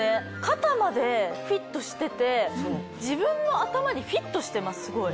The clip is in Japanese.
肩までフィットしてて自分の頭にフィットしてますすごい。